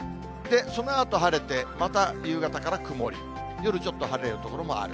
そのあと晴れて、また夕方から曇り、夜ちょっと晴れる所もある。